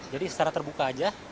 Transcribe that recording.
jadi secara terbuka saja